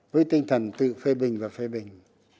với tinh thần tự phê bình và phê bình